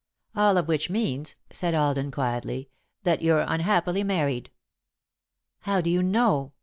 "] "All of which means," said Alden, quietly, "that you're unhappily married." "How do you know?"